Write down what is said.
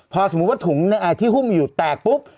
พอสมมุติว่าถุงที่หุ้มอยู่แตกปุ๊บ